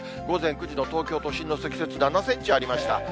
午前９時の東京都心の積雪７センチありました。